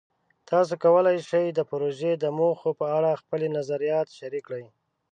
تاسو کولی شئ د پروژې د موخو په اړه خپلې نظریات شریک کړئ.